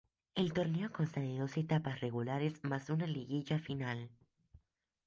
El torneo consta de dos etapas regulares mas una liguilla final.